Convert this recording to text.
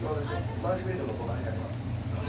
男子便所の隣にあります。